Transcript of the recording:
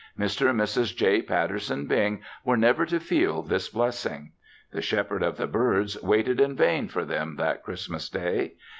Mr. and Mrs. J. Patterson Bing were never to feel this blessing. The Shepherd of the Birds waited in vain for them that Christmas Day.